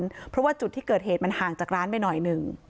เพราะว่าจุดที่เกิดเหตุมันห่างจากร้านไปหน่อยหนึ่ง